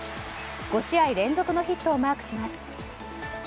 ５試合連続のヒットをマークします。